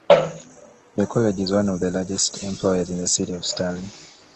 The college is one of the largest employers in the city of Sterling.